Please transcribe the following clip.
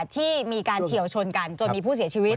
ที่มีการเฉียวชนกันจนมีผู้เสียชีวิต